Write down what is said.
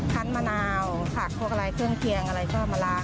มะนาวผักพวกอะไรเครื่องเคียงอะไรก็มาล้าง